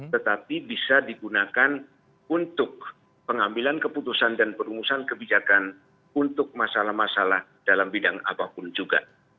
tetapi bisa digunakan untuk pengambilan keputusan dan perumusan kebijakan untuk masalah masalah dalam bidang apapun juga